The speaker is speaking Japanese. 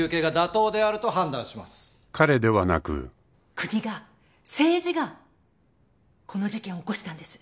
国が政治がこの事件を起こしたんです。